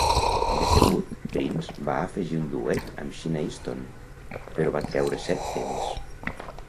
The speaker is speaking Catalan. Decebut, Prince va afegir un duet amb Sheena Easton, però va treure set temes.